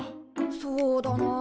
そうだなあ。